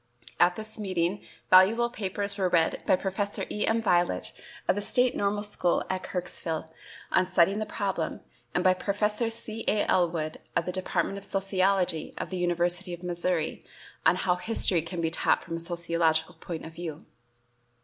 At this meeting valuable papers were read by Professor E. M. Violette, of the State Normal School at Kirksville, on "Setting the Problem," and by Professor C. A. Ellwood, of the Department of Sociology of the University of Missouri, on "How History Can be Taught from a Sociological Point of View."